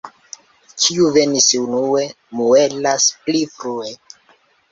Kiu venis unue, muelas pli frue.